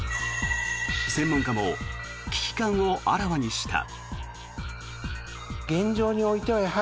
専門家も危機感をあらわにした。